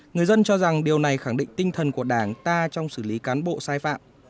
người dân cho rằng điều này khẳng định tinh thần của đảng ta trong xử lý cán bộ sai phạm